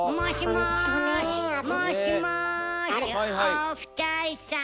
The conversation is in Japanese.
お二人さん。